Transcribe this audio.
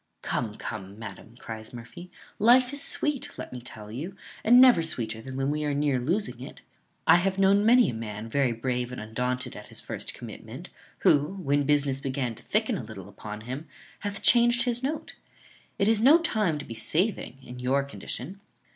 "Come, come, madam," cries Murphy, "life is sweet, let me tell you, and never sweeter than when we are near losing it. I have known many a man very brave and undaunted at his first commitment, who, when business began to thicken a little upon him, hath changed his note. It is no time to be saving in your condition."